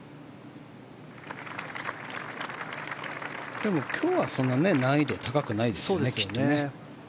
でも今日は、そんなに難易度高くないですよね。